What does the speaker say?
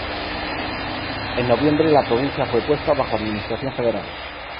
En noviembre la provincia fue puesta bajo administración federal.